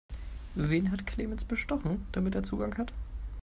Wen hat Clemens bestochen, damit er Zugang hat?